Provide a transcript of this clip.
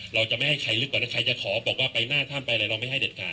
เราจะไม่ให้ใครลึกกว่าถ้าใครจะขอบอกว่าไปหน้าถ้ำไปอะไรเราไม่ให้เด็ดขาด